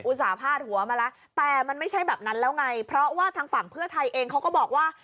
ส่าห์พาดหัวมาแล้วแต่มันไม่ใช่แบบนั้นแล้วไงเพราะว่าทางฝั่งเพื่อไทยเองเขาก็บอกว่า